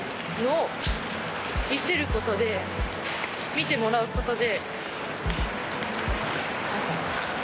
見てもらうことで。